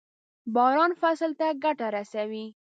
باران فصل ته ګټه رسوي.